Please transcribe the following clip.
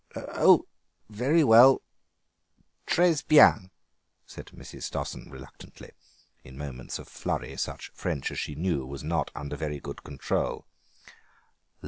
"Oh, very well, trés bien," said Mrs. Stossen reluctantly; in moments of flurry such French as she knew was not under very good control.